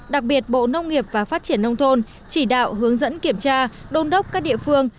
đặc biệt bộ nông nghiệp và phát triển nông thôn chỉ đạo hướng dẫn kiểm tra đôn đốc các địa phương